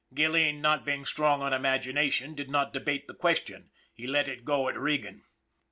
Gilleen, not being strong on imagin ation, did not debate the question he let it go at Regan.